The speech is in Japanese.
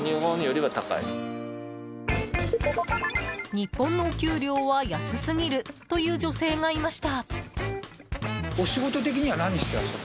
日本のお給料は安すぎるという女性がいました。